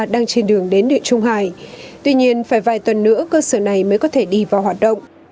đang trên đường đến địa trung hải tuy nhiên phải vài tuần nữa cơ sở này mới có thể đi vào hoạt động